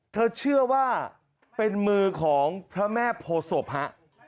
เธอเชื่อว่าเป็นมือของพระแม่โพศพฮะ